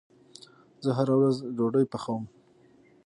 زه هره ورځ ډوډې پخوم